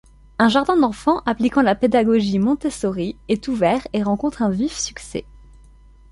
Un jardin d'enfants appliquant la pédagogie Montessori est ouvert et rencontre un vif succès.